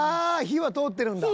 火は通ってるんだ。